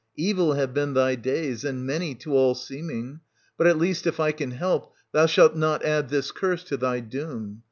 150 Evil have been thy days, and many, to all seeming ; but at least, if I can help, thou shalt not add this curse to thy doom.